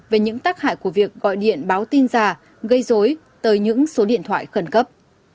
về những tác hại của việc gọi điện báo tin giả gây dối tới những số điện thoại khẩn cấp